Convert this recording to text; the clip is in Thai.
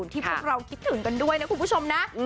พวกเราคิดถึงกันด้วยนะคุณผู้ชมนะ